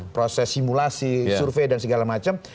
proses simulasi survei dan segala macam